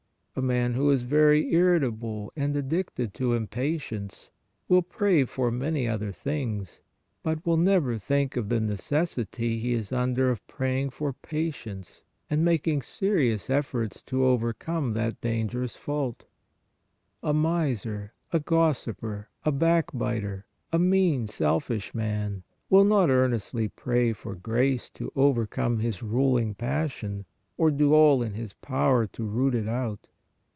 A man who is very irritable and addicted to impatience, will pray MENTAL PRAYER 157 for many other things, but will never think of the necessity he is under of praying for patience and making serious efforts to overcome that dangerous fault. A miser, a gossiper, a backbiter, a mean, selfish man, will not earnestly pray for grace to overcome his ruling passion or do all in his power to root it out.